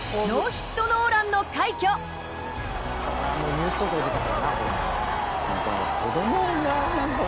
「ニュース速報出たからなこれ」